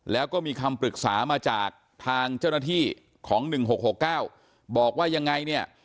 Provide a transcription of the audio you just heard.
แล้วก็มีคำปรึกษามาจากทางเจ้าหน้าที่ของ๑๖๖๙บอกว่ายังไงเนี่ย